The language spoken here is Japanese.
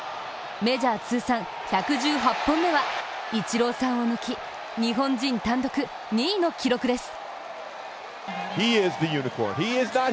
メジャー通算１１８本目はイチローさんを抜き、日本人単独２位の記録です。